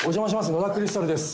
野田クリスタルです」